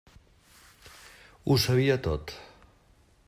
Ho sabia tot.